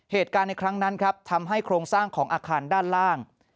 เหตุการณ์ในครั้งนั้นครับทำให้โครงสร้างของอาคารด้านล่าง